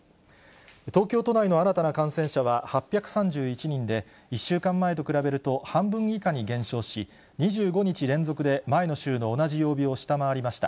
東京都内の新たな感染者は８３１人で、１週間前と比べると半分以下に減少し、２５日連続で前の週の同じ曜日を下回りました。